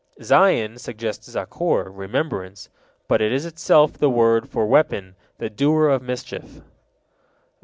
Zain suggests Zakor, remembrance, but it is itself the word for weapon, the doer of mischief.